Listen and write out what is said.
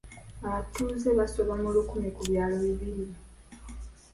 Abatuuze abasoba mu lukumi ku byalo bibiri